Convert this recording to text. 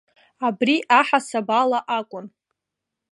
Абри аҳасаб ала акәын.